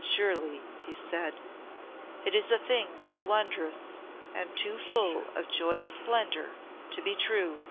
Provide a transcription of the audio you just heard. "Surely," he said, "it is a thing too wondrous and too full of joy's splendour to be true."